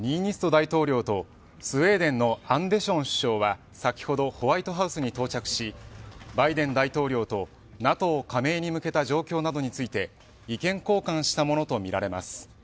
大統領とスウェーデンのアンデション首相は先ほどホワイトハウスに到着しバイデン大統領とＮＡＴＯ加盟に向けた状況などについて意見交換したものとみられます。